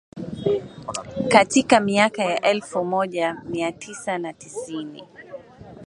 Katika miaka ya elfu moja mia tisa na tisini